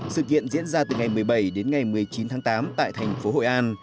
sự kiện diễn ra từ ngày một mươi bảy đến ngày một mươi chín tháng tám tại thành phố hội an